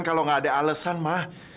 kalau gak ada alesan ma